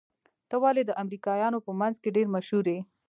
ته ولې د امريکايانو په منځ کې ډېر مشهور يې؟